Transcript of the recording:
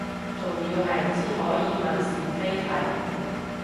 仲要係只可以問是非題